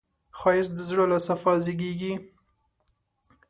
ښایست د زړه له صفا زېږېږي